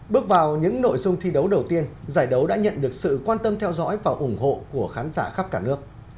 bước vào những nội dung thi đấu đầu tiên giải đấu đã nhận được sự quan tâm theo dõi và ủng hộ của khán giả khắp cả nước